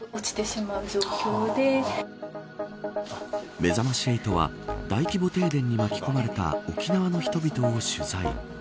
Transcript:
めざまし８は大規模停電に巻き込まれた沖縄の人々を取材。